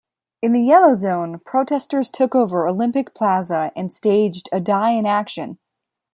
In the yellow zone, protesters took over Olympic Plaza and staged a Die-In action.